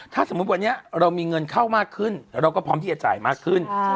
ถ้าสมมุติวันนี้เรามีเงินเข้ามากขึ้นเราก็พร้อมที่จะจ่ายมากขึ้น